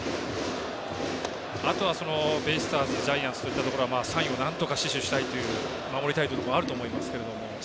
あとはベイスターズジャイアンツといったところは３位をなんとか死守したい守りたいというところもあると思いますけれども。